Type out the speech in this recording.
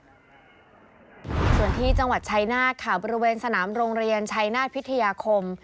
ส่วนที่จังหวัดชายนาฏค่ะบริเวณสนามโรงเรียนชัยนาธิพิทยาคม